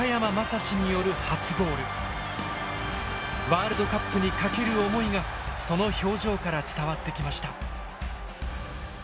ワールドカップにかける思いがその表情から伝わってきました。